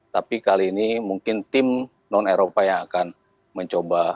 tapi kali ini mungkin tim non eropa yang akan mencoba